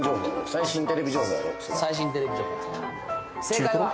最新テレビ情報